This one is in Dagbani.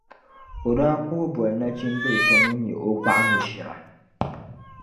o daa kuhi boli nachimbil’ so ŋun nyɛ o gbɔɣino ʒira.